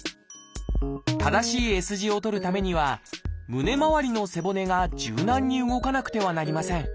正しいＳ字をとるためには胸まわりの背骨が柔軟に動かなくてはなりません。